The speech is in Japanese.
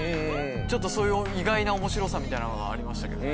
ちょっとそういう意外な面白さみたいなのがありましたけどね。